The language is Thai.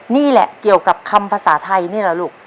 นี่แหละเกี่ยวกับคำภาษาไทยนี่แหละลูก